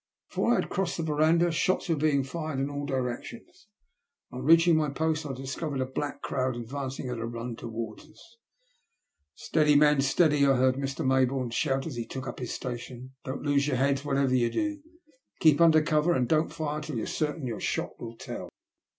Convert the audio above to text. Before I had crossed the verandah, shots were being fired in all directions, and on reach ing my post, I discovered a black crowd advancing at a run towards us. Steady men, steady," I heard Mr. Mayboume shout as he took up his station. '* Don*t lose your heads whatever you do. Keep under cover, and don't fire till you're certain your shot will tell."